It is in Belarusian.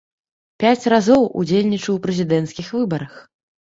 Пяць разоў удзельнічаў у прэзідэнцкіх выбарах.